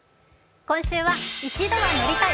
今週は「一度は乗りたい！